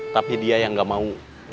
tapi dia yang gak mau